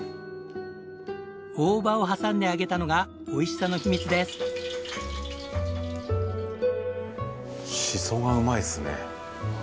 大葉を挟んで揚げたのがおいしさの秘密です。